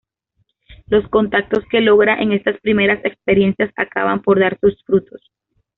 Los contactos que logra en estas primeras experiencias acaban por dar sus frutos.